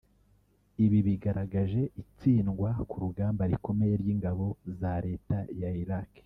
ibi bigaragaje itsindwa ku rugamba rikomeye ry'ingabo za leta ya Iraq